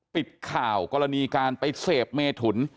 ปิดข่าวกรณีการไปเสพเมถุน